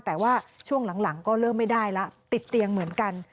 แต่ว่าช่วงหลังก็เริ่มไม่ได้แล้วติดเตียงเหมือนกัน